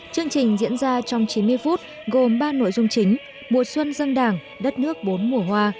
chương trình diễn ra trong chín mươi phút gồm ba nội dung chính mùa xuân dân đảng đất nước bốn mùa hoa